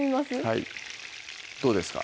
はいどうですか？